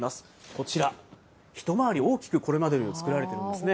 こちら、一回り大きく、これまでより作られているんですね。